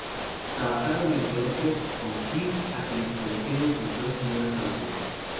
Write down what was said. Trabajaron entre otros con Kiss, a quienes produjeron sus dos primeros álbumes.